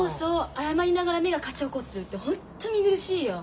謝りながら目が勝ち誇ってるってホント見苦しいよ。